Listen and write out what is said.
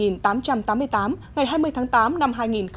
ngày hai mươi tháng tám năm hai nghìn một mươi chín